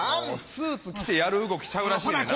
スーツ着てやる動きちゃうらしいねんな。